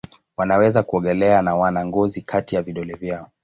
Wanaweza kuogelea na wana ngozi kati ya vidole vyao.